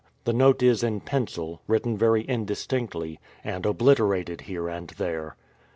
The note is in pencil, written very indistinctly, and obliterated here and there.